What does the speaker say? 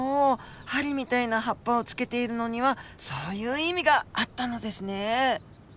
針みたいな葉っぱをつけているのにはそういう意味があったのですね。